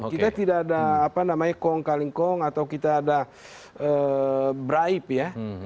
kita tidak ada apa namanya kong kaling kong atau kita ada bright ya